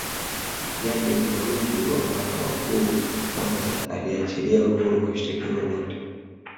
Jaji Mfawidhi wa Mahakama Kuu Mwanza aliwaachilia huru washitakiwa wote